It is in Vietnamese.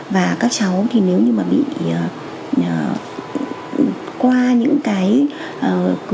và các cháu thì nếu như một người phụ nữ không hạnh phúc thì ảnh hưởng trực tiếp đến những đứa con và các cháu